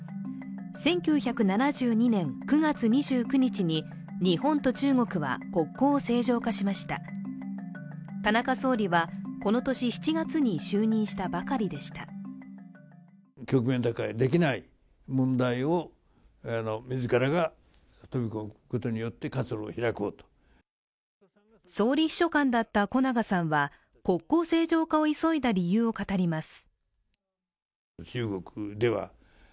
１９７２年９月２９日に日本と中国は国交を正常化しました田中総理はこの年７月に就任したばかりでした総理秘書官だった小長さんは国交正常化を急いだ理由を語ります